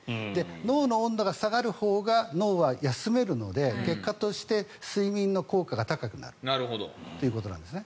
脳の温度が下がるほうが脳は休めるので結果として睡眠の効果が高くなるということなんですね。